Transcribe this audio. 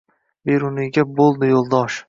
Beruniyga boʼldi yoʼldosh.